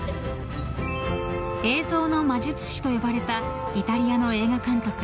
映像の魔術師と呼ばれたイタリアの映画監督